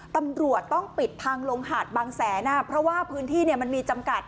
ตำรวจต้องปิดทางลงหาดบางแสนเพราะว่าพื้นที่มันมีจำกัด